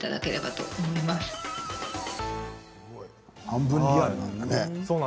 半分リアルなんだね。